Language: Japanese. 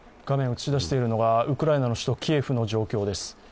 画面映し出しているのがウクライナの首都キエフの状況です。